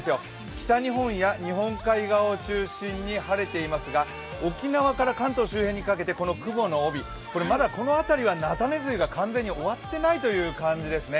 北日本や日本海側を中心に晴れていますが、沖縄から関東周辺にかけて雲の帯び、この辺りは菜種梅雨が完全に終わっていないという感じですね。